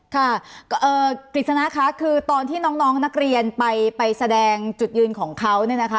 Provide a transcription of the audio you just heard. ค่ะกฤษณะค่ะคือตอนที่น้องนักเรียนไปแสดงจุดยืนของเขาเนี่ยนะคะ